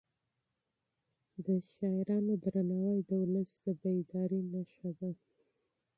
د شاعرانو لمانځنه د ولس د بیدارۍ نښه ده.